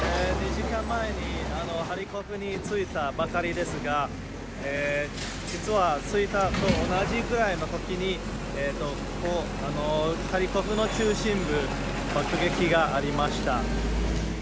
２時間前にハリコフに着いたばかりですが、実は着いたと同じぐらいのときに、ここハリコフの中心部、爆撃がありました。